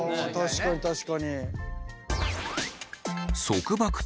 確かに確かに。